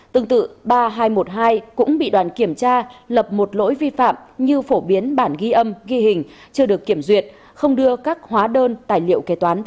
tương tự ba nghìn hai trăm một mươi hai cũng bị đoàn kiểm tra lập một lỗi vi phạm như phổ biến bản ghi âm ghi hình chưa được kiểm duyệt không đưa các hóa đơn tài liệu kế toán